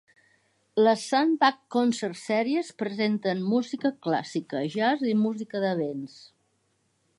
Les Sandbach Concert Series presenten música clàssica, jazz i música de vents.